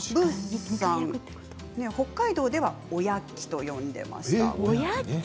北海道ではおやきと呼んでいました。